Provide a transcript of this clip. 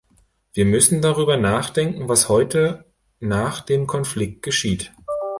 Wir müssen darüber nachdenken, was heute nach dem Konflikt geschieht.